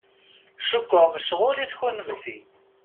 Cukkeɣ mecɣulit kunemt.